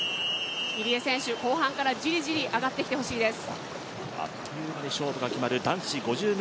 入江選手、後半からじりじりと上がってきてほしいです。